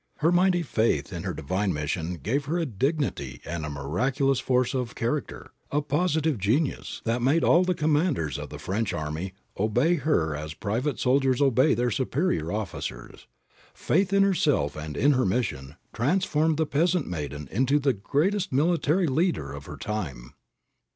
Her mighty faith in her divine mission gave her a dignity and a miraculous force of character, a positive genius, that made all the commanders of the French army obey her as private soldiers obey their superior officers. Faith in herself and in her mission transformed the peasant maiden into the greatest military leader of her time.